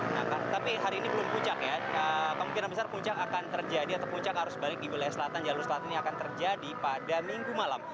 nah tapi hari ini belum puncak ya kemungkinan besar puncak akan terjadi atau puncak arus balik di wilayah selatan jalur selatan ini akan terjadi pada minggu malam